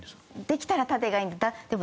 できたら縦がいいです。